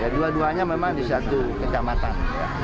dua duanya memang di satu kecamatan